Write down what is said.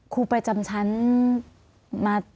ครูประจำชั้นมา